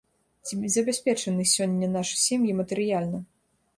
Ці забяспечаны сёння нашы сем'і матэрыяльна?